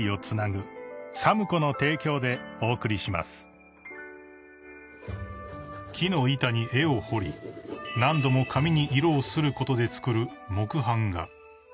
ペイトク［木の板に絵を彫り何度も紙に色をすることで作る］